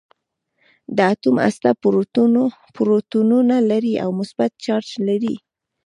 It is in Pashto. د اتوم هسته پروتونونه لري او مثبت چارج لري.